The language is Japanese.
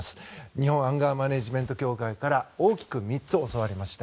日本アンガーマネジメント協会から大きく３つ教わりました。